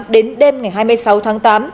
đến đêm ngày hai mươi sáu tháng tám